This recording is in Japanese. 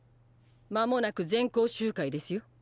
間もなく全校集会ですよ。